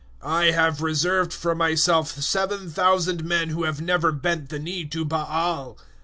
"I have reserved for Myself 7,000 men who have never bent the knee to Baal."